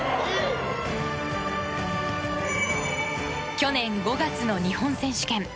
去年５月の日本選手権。